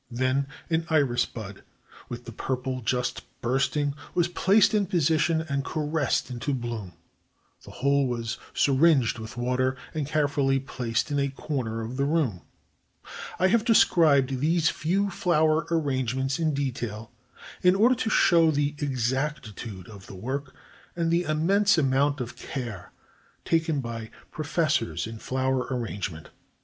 Then an iris bud, with the purple just bursting, was placed in position and caressed into bloom. The whole was syringed with water and carefully placed in a corner of the room. I have described these few flower arrangements in detail in order to show the exactitude of the work and the immense amount of care taken by professors in flower arrangement.